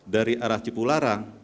dari arah cipularang